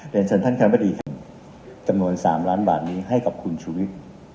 เรียนเชิญท่านคณะประดีครับกำหน่วงสามล้านบาทนี้ให้กับคุณชุวิต